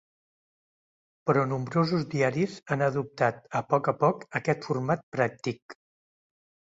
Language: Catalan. Però nombrosos diaris han adoptat a poc a poc aquest format pràctic.